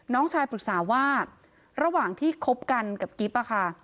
น้องชายปรึกษาว่าระหว่างที่คบกันกับกิ๊บอะค่ะ